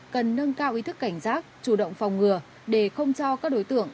cần nâng cao ý thức cảnh giác chủ động phòng ngừa để không cho các đối tượng